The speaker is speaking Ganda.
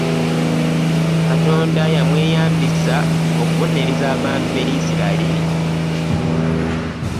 Katonda yamweyambisa okubonereza abantu be Yisira yiri ,